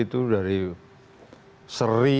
itu dari seri